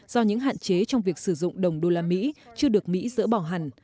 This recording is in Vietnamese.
do những hạn chế trong việc sử dụng đồng đô la mỹ chưa được mỹ dỡ bỏ hẳn